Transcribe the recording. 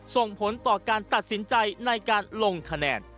ส่งผลต่อการตัดสินใจในการลงคะแนน